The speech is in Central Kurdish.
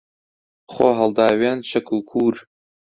خۆ هەڵداوێن شەک و کوور